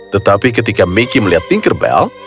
tetapi ketika mickey melihat tinkerbell